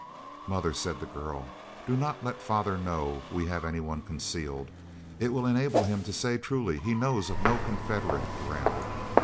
"Mother," said the girl, "do not let father know we have any one concealed. It will enable him to say truly he knows of no Confederate around.